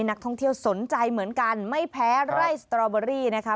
นักท่องเที่ยวสนใจเหมือนกันไม่แพ้ไร่สตรอเบอรี่นะคะ